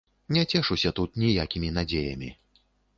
Не цешуся тут ніякімі надзеямі.